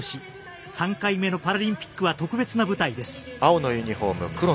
３回目のパラリンピックは特別な舞台です。